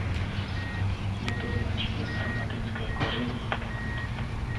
Je to značně aromatické koření.